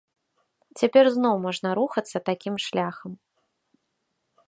Цяпер зноў можна рухацца такім шляхам.